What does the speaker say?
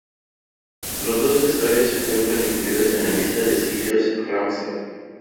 Los dos estuarios se encuentran incluidos en la lista de sitios Ramsar.